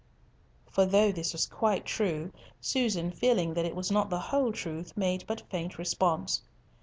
For though this was quite true, Susan feeling that it was not the whole truth, made but faint response.